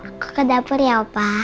aku ke dapur ya pak